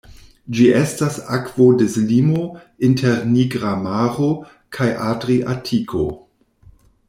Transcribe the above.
Ĝi estas akvodislimo inter Nigra Maro kaj Adriatiko.